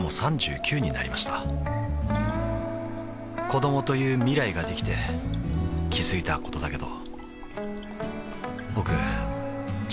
子どもという未来ができて気づいたことだけど